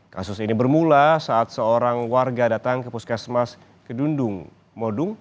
kasus ini bermula saat seorang warga datang ke puskesmas kedundung modung